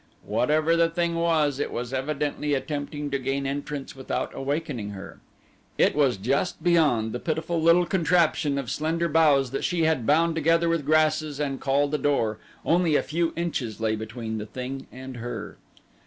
Whatever the thing was, it was evidently attempting to gain entrance without awakening her. It was just beyond the pitiful little contraption of slender boughs that she had bound together with grasses and called a door only a few inches lay between the thing and her.